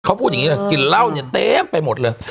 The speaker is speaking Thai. เขาพูดอย่างงี้เลยกลิ่นเหล้าเต็มไปหมดเลย